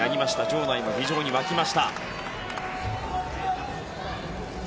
場内も非常に沸きました。